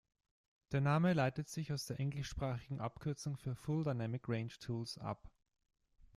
Der Name leitet sich aus der englischsprachigen Abkürzung für Full Dynamic Range Tools ab.